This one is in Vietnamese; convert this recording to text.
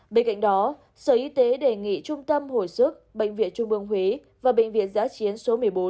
bên cạnh đó sở y tế đề nghị trung tâm hồi sức bệnh viện trung ương huế và bệnh viện giã chiến số một mươi bốn